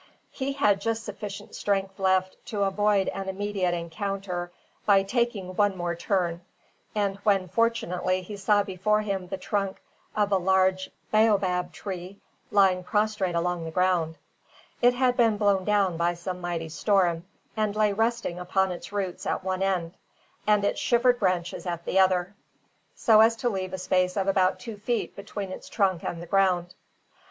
He had just sufficient strength left to avoid an immediate encounter by taking one more turn, when, fortunately, he saw before him the trunk of a large baobab tree lying prostrate along the ground. It had been blown down by some mighty storm, and lay resting upon its roots at one end, and its shivered branches at the other, so as to leave a space of about two feet between its trunk and the ground.